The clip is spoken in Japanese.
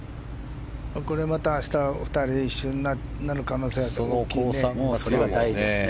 これまた明日、２人一緒になる可能性もあるよね。